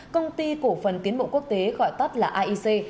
công ty cổ phần tiến bộ quốc tế gọi tắt là aic